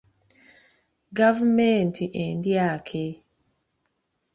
Gavumenti endyake.